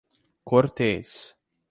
Cortês